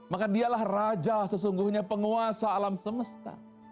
maka dialah raja sesungguhnya penguasa alam semesta